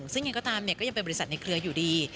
ซึ่งยังไงก็ตามก็ยังเป็นบริษัทในเครืออยู่ดี